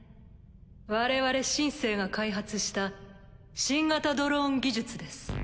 我々「シン・セー」が開発した新型ドローン技術です。